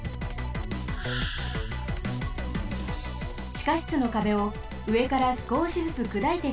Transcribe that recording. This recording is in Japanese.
ちかしつのかべをうえからすこしずつくだいてこわします。